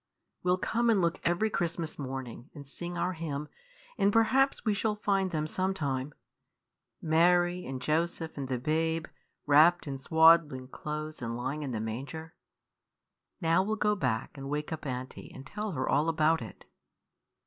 "We 'll come and look every Christmas morning, and sing our hymn, and perhaps we shall find them some time Mary, and Joseph, and the babe, wrapped in swaddling clothes and lying in the manger. Now we'll go back, and wake up aunty, and tell her all about it."